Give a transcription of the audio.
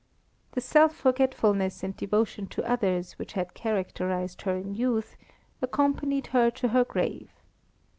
The self forgetfulness and devotion to others which had characterised her in youth accompanied her to her grave.